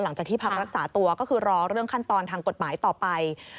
หลังจากที่พักรักษาตัวก็คือรอเรื่องขั้นตอนทางกฎหมายต่อไป